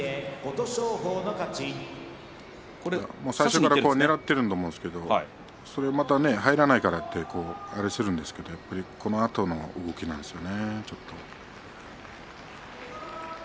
最初からねらっていると思うんですが中に入らないからといってあれするんですがこのあとの動きなんですよね。